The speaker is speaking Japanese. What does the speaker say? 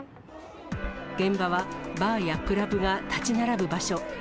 現場は、バーやクラブが建ち並ぶ場所。